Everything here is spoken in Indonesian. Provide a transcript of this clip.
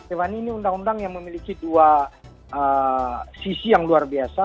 hewani ini undang undang yang memiliki dua sisi yang luar biasa